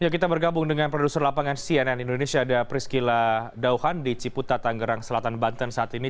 kita bergabung dengan produser lapangan cnn indonesia ada priscila dauhan di ciputa tanggerang selatan banten saat ini